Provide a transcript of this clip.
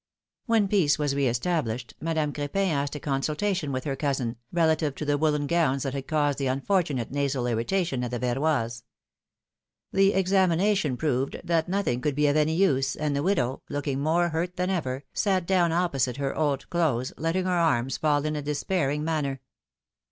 When peace was re established, Madame Crepin asked a consultation with her cousin, relative to the woollen gowns that had caused the unfortunate nasal irritation at the Verroys'. The examination proved that nothing could be of any use, and the widow, looking more hurt than ever, sat down opposite her old clothes, letting her arms fall in a despairing manner.